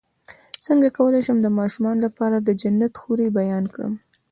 څنګه کولی شم د ماشومانو لپاره د جنت حورې بیان کړم